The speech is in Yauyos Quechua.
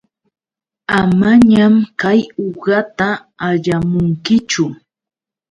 Amañam kay uqata allamunkichu.